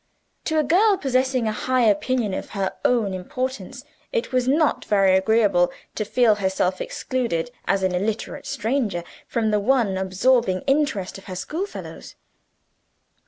To a girl possessing a high opinion of her own importance it was not very agreeable to feel herself excluded, as an illiterate stranger, from the one absorbing interest of her schoolfellows.